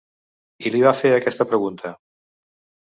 I li va fer aquesta pregunta.